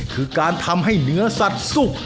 คือการทำให้เนื้อสัตว์สุก